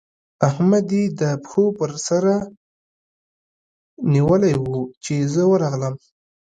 احمد يې د پښو پر سره نيولی وو؛ چې زه ورغلم.